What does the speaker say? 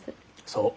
そう。